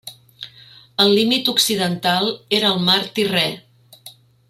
El límit occidental era el mar Tirrè.